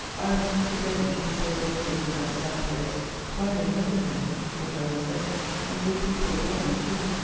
I was to blame to be so loth to leave that sad place; for I am in heaven here, to what I was there; and good people about me too!